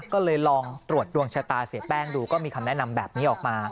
ก็เลยลองตรวจดวงชะตาเสียแป้งดูก็มีคำแนะนำแบบนี้ออกมา